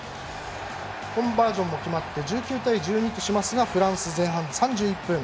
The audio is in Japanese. コンバージョンも決まって１２対１９としますがフランス、前半３１分。